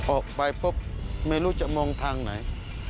ออกไปปุ๊บไม่รู้จะมองทางไหน